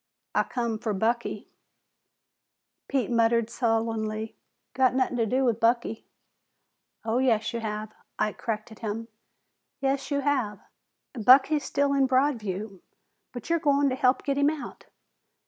"I come fer Bucky." Pete muttered sullenly, "Got nothin' to do with Bucky." "Oh, yes, you have," Ike corrected him. "Yes, you have. Bucky's still in Broadview, but you're goin' to help get him out.